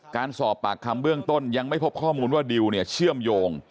การสอบปากคำเบื้องต้นยังไม่พบข้อมูลว่าดิวเนี่ยเชื่อมโยง